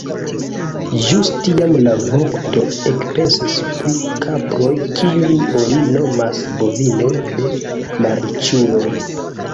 Ĵus tiam la vokto ekpensis pri kaproj, kiujn oni nomas bovinoj de malriĉuloj.